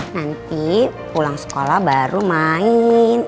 nanti pulang sekolah baru main